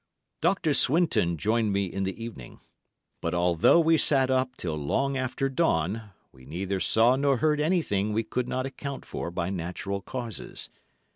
Dr. Swinton joined me in the evening, but although we sat up till long after dawn, we neither saw nor heard anything we could not account for by natural causes.